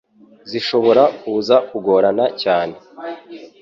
zishobora kuza kugorana cyane